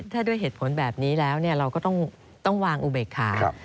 ถ้าด้วยเหตุผลแบบนี้แล้วเราก็ต้องวางอุเบกขา